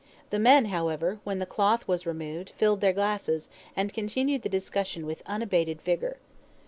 The men, however, when the cloth was removed, filled their glasses, and continued the discussion with unabated vigour.